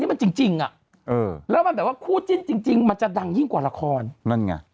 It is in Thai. นี้มันจริงน่ะแล้วคู่จิ้นจริงมาจะดังยิ่งกว่าละครไหม